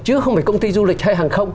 chứ không phải công ty du lịch hay hàng không